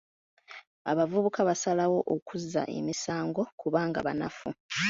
Abavubuka basalawo okuzza emisango kubanga banafu.